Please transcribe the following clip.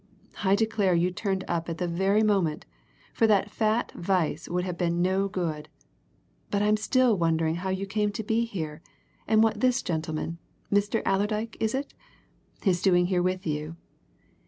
"I declare you turned up at the very moment, for that fat Weiss would have been no good. But I'm still wondering how you came to be here, and what this gentleman Mr. Allerdyke, is it? is doing here with you.